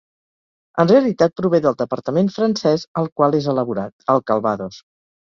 En realitat prové del departament francès al qual és elaborat, el Calvados.